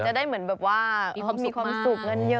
จะได้เหมือนแบบว่ามีความสุขกันเยอะ